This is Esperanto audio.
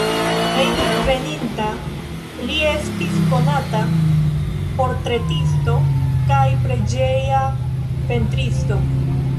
Hejmenveninta li estis konata portretisto kaj preĝeja pentristo.